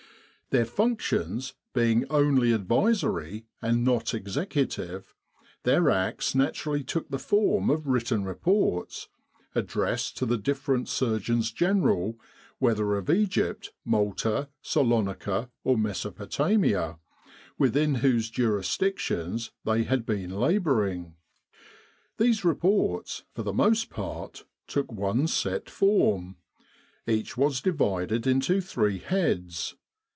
Their functions being only advisory and not execu tive, their acts naturally took the form of written reports, addressed to the different Surgeons General, whether of Egypt, Malta, Salonika or Mesopotamia, within whose jurisdictions they had been labouring. These reports, for the most part, took one set form. Each was divided into three heads.